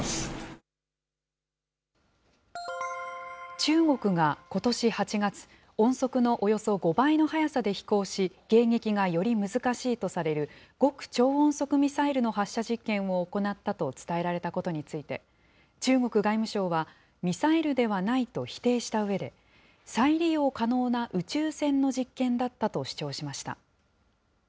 中国がことし８月、音速のおよそ５倍の速さで飛行し、迎撃がより難しいとされる極超音速ミサイルの発射実験を行ったと伝えられたことについて、中国外務省はミサイルではないと否定したうえで、再利用可能な宇宙船の実験だったと主張しました。